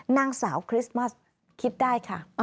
นางสาวคริสต์มัสคิดได้ค่ะ